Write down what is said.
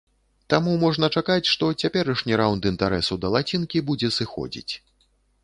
Таму можна чакаць, што цяперашні раўнд інтарэсу да лацінкі будзе сыходзіць.